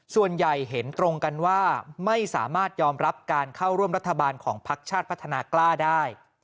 ส่วนใหญ่เห็นตรงกันว่าไม่สามารถยอมรับการเข้าร่วมรัฐบาลของพักชาติพัฒนากล้าได้